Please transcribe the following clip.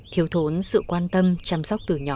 thiếu thốn sự quan tâm chăm sóc từ nhỏ